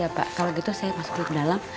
iya sudah pak kalau gitu saya masuk dulu ke dalam